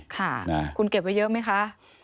ค่ะคุณเก็บไว้เยอะไหมคะ